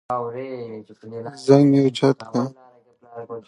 که ویډیو وي نو پام نه غلطیږي.